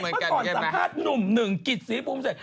เมื่อก่อนสัมภาษณ์หนุ่มหนึ่งกิจศรีภูมิเสร็จ